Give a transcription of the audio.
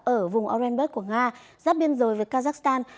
ở vùng orenburg của nga giáp biên rồi với kazakhstan